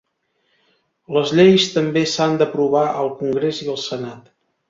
Les lleis també s’han d’aprovar al congrés i al senat.